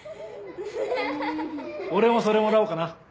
俺もそれもらおうかな。